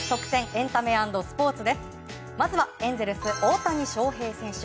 エンタメ＆スポーツですまずは、エンゼルス大谷翔平選手。